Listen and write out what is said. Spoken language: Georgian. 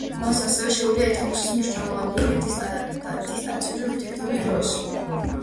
მას ასევე შეუძლია ითამაშოს მნიშვნელოვანი როლი „დისტანციური“ ურთიერთობების დროს.